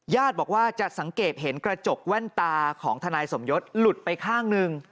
บอกว่าจะสังเกตเห็นกระจกแว่นตาของทนายสมยศหลุดไปข้างหนึ่ง